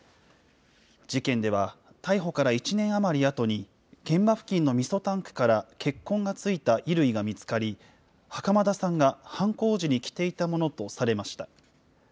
事件では、逮捕から１年余りあとに、現場付近のみそタンクから血痕が付いた衣類が見つかり、袴田さんが、犯行時に着ていたものとされました。